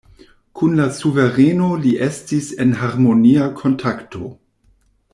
Kun la suvereno li estis en harmonia kontakto.